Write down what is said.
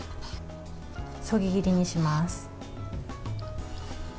そぎ切りにします。